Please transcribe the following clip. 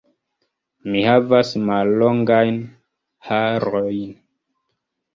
Mi havas mallongajn harojn.